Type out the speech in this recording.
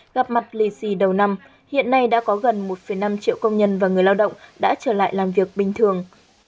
gặp mặt lì xì đầu năm hiện nay đã có gần một năm triệu công nhân và người lao động đã trở lại làm việc bình thường